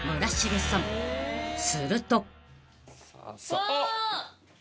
［すると］わ！